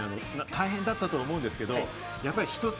大変だったと思うんですけど。